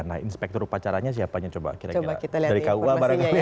nah inspektor upacaranya siapanya coba kita lihat informasinya ya